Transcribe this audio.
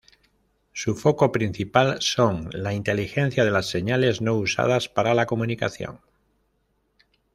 Su foco principal son la inteligencia de las señales no usadas para la comunicación.